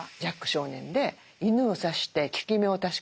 少年で犬を刺して効き目を確かめた